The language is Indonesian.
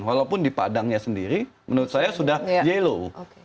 walaupun di padangnya sendiri menurut saya sudah yellow